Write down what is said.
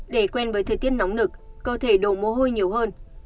để quen với thời tiết nóng nực cơ thể đổ mồ hôi nhiều hơn